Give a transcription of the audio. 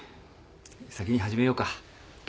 先に始めようか。